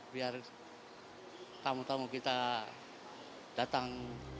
biar tamu tamu kita datang